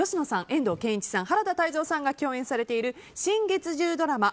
遠藤憲一さん、原田泰造さんが共演されている新月１０ドラマ